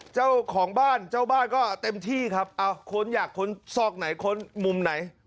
เจ้าของบ้านเจ้าบ้านก็เต็มที่ครับเอาค้นอยากค้นซอกไหนค้นมุมไหน